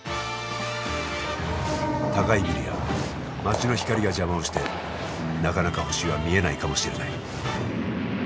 高いビルや街の光が邪魔をしてなかなか星は見えないかもしれない。